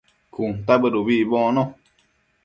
cuntabëd ubi icbocno